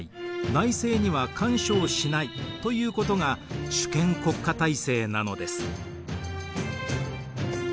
内政には干渉しないということが主権国家体制なのです。